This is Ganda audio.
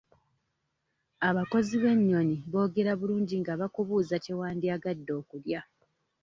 Abakozi b'ennyonyi boogera bulungi nga bakubuuza kye wandiyagadde okulya.